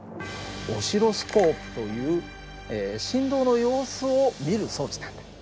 オシロスコープという振動の様子を見る装置なんだ。